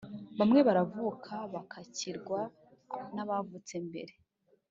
bamwe baravuka, bakakirwa n' abavutse mbere,